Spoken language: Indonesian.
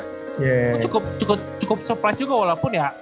itu cukup surprise juga walaupun ya